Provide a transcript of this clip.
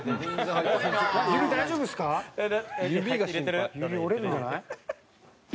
指折れるんじゃない？